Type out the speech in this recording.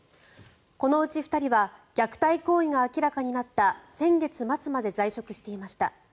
このうち２人は虐待行為が明らかになった先月末まで在職していました。